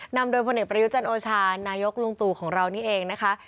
นำโดยพลเอกประยุจันโอชานายกลุงตู่ของเรานี่เองนะคะ